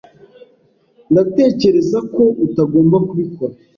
Ndatekereza ko utagomba kubikora.